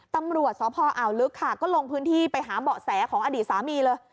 ตำรวจสพอ่าวลึกค่ะก็ลงพื้นที่ไปหาเบาะแสของอดีตสามีเลย